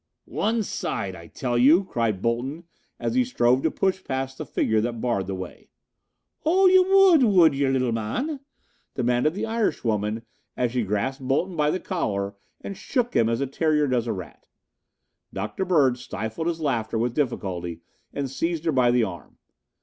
"One side, I tell you!" cried Bolton as he strove to push past the figure that barred the way. "Oh, ye wud, wud yer, little mann?" demanded the Irishwoman as she grasped Bolton by the collar and shook him as a terrier does a rat. Dr. Bird stifled his laughter with difficulty and seized her by the arm.